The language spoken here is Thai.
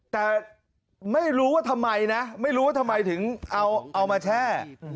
แต่ไม่รู้ว่าทำไมถึงเอามาแช่